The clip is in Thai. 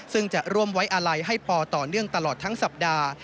ซึ่งจะร่วมไว้อาลัยให้ปอต่อเนื่องตลอดทั้งสัปดาห์